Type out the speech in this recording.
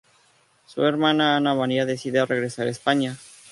Su hermana Ana María decide regresar a España.